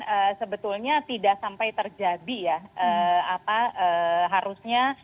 untuk membuatnya tidak sampai terjadi ya